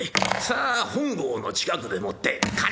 さあ本郷の近くでもって。